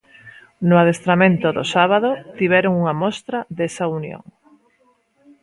No adestramento do sábado tiveron unha mostra desa unión.